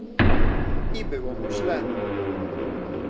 "I było mu źle."